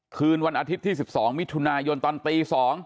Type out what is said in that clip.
คืนวันอาทิตย์ที่๑๒มิถุนายนตอนตี๒